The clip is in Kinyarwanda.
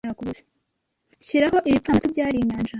shiraho .'-- Ibipfamatwi byari Inyanja